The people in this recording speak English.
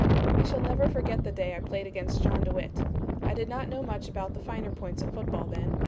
"I shall never forget the day I played against John DeWitt. I did not know much about the finer points of football then.